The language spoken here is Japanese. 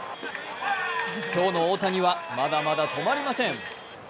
今日の大谷はまだまだ止まりません。